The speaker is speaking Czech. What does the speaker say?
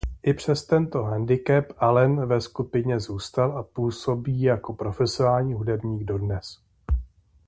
I přes tento handicap Allen ve skupině zůstal a působí jako profesionální bubeník dodnes.